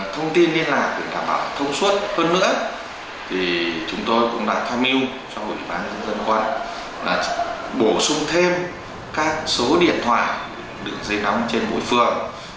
thông tin liên lạc để đảm bảo thông suất hơn nữa thì chúng tôi cũng đã tham mưu cho ủy ban dân dân quân là bổ sung thêm các số điện thoại được giấy đóng trên mỗi phường